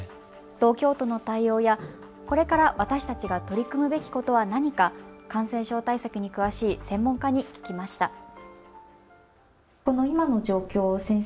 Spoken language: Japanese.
東京都の対応やこれから私たちが取り組むべきことは何か、感染症対策に詳しい専門家に聞きました。